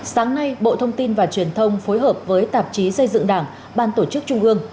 sáng nay bộ thông tin và truyền thông phối hợp với tạp chí xây dựng đảng ban tổ chức trung ương